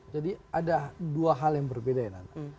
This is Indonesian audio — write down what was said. jadi ada dua hal yang berbeda ya nanda